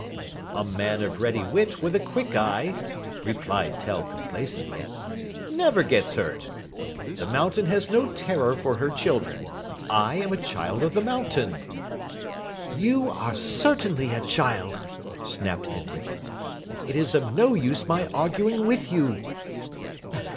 "A man of ready wit with a quick eye," replied Tell complacently, "never gets hurt. The mountain has no terror for her children. I am a child of the mountain." "You are certainly a child!" snapped Hedwig. "It is no use my arguing with you."